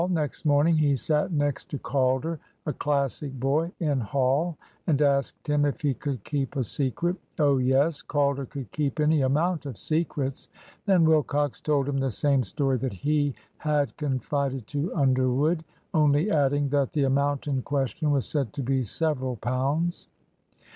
Next morning he sat next to Calder, a Classic boy, in Hall, and asked him if he could keep a secret. Oh yes, Calder could keep any amount of secrets. Then Wilcox told him the same story that he had confided to Underwood, only adding that the amount in question was said to be several pounds.